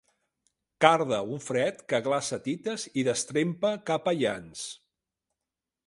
Carda un fred que glaça tites i destrempa capellans.